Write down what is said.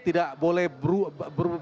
tidak boleh bertarung